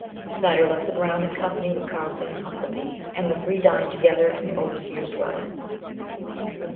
'" Snyder left the ground in company with Carlton and Huckelby, and the three dined together in the overseer's dwelling.